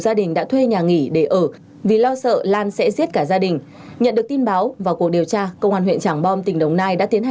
tại huyện long thành tỉnh đồng nai